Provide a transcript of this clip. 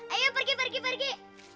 ayo pergi pergi pergi